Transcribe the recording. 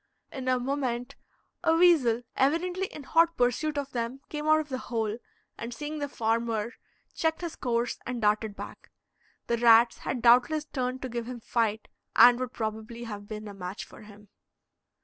In a moment a weasel, evidently in hot pursuit of them, came out of the hole, and seeing the farmer, checked his course and darted back. The rats had doubtless turned to give him fight, and would probably have been a match for him.